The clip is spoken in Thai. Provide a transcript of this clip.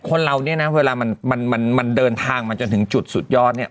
คนเราเนี่ยนะเวลามันเดินทางมาจนถึงจุดสุดยอดเนี่ย